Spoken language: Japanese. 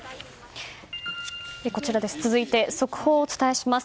続いて速報をお伝えします。